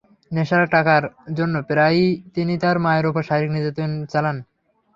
নেশার টাকার জন্য প্রায়ই তিনি তাঁর মায়ের ওপর শারীরিক নির্যাতন চালান।